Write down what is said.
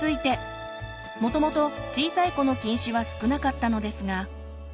もともと小さい子の近視は少なかったのですが。